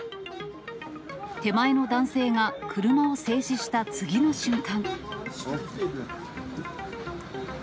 手前の男性が車を制止した次の瞬間。